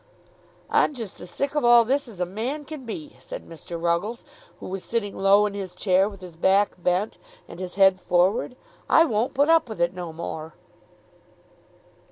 "I'm just as sick of all this as a man can be," said Mr. Ruggles, who was sitting low in his chair, with his back bent, and his head forward. "I won't put up with it no more."